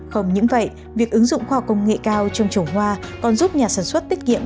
không những vậy việc ứng dụng khoa công nghệ cao trong trồng hoa còn giúp nhà sản xuất tiết kiệm